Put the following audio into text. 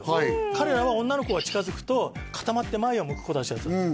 彼らは女の子が近づくと固まって前を向く子達だったんです